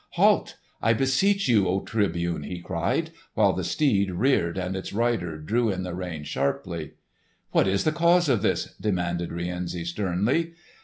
"Halt! I beseech you, O Tribune!" he cried, while the steed reared and its rider drew in the reins sharply. "What is the cause of this?" demanded Rienzi sternly.